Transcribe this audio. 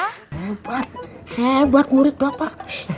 hebat hebat murid bapak